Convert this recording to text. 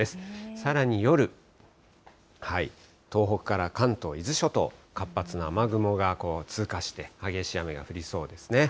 さらに夜、東北から関東、伊豆諸島、活発な雨雲が通過して、激しい雨が降りそうですね。